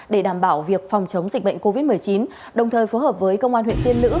để đảm bảo việc phòng chống dịch bệnh covid một mươi chín đồng thời phối hợp với công an huyện tiên lữ